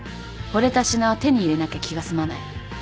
ほれた品は手に入れなきゃ気が済まない。